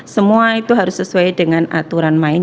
semua itu harus sesuai dengan aturan main